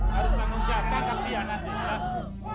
harus tanggung jawab takkan pian aziza